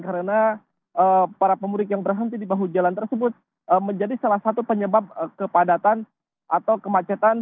karena para pemudik yang berhenti di bahu jalan tersebut menjadi salah satu penyebab kepadatan atau kemacetan